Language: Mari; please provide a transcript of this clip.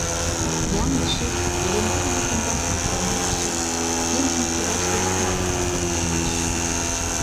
Яндышев, Эреҥер вӱд ӱмбач пӧртылмекше, кемжым кудашдеак мален колтен улмаш.